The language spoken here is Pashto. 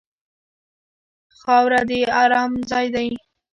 خاوره د ارام ځای دی.